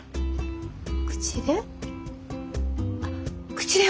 口で？